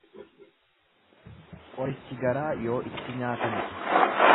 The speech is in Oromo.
Qorichi garaa yoo itti nyaatanidha.